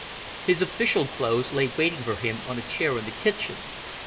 His official clothes lay waiting for him on a chair in the kitchen.